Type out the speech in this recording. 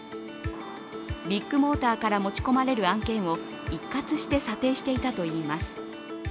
ビッグモーターから持ち込まれる案件を一括して査定していたといいます。